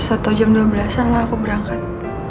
atau jam dua belas an lah aku berangkat